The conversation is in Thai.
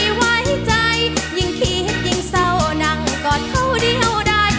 เสียแรงที่ไว้ใจยิ่งคิดยิ่งเศร้านั่งกอดเขาเดียวได้